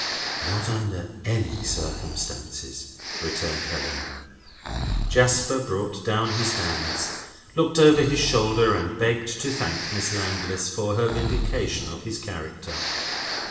"Not under any circumstances," returned Helena. Jasper brought down his hands, looked over his shoulder, and begged to thank Miss Landless for her vindication of his character.